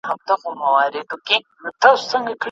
سیوری د نصیب وم ستا په ښار کي اوسېدلی یم